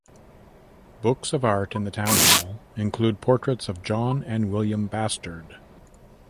Works of art in the town hall include portraits of John and William Bastard.